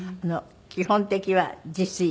基本的には自炊。